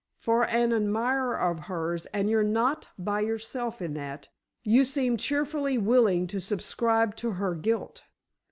"For an admirer of hers, and you're not by yourself in that, you seem cheerfully willing to subscribe to her guilt."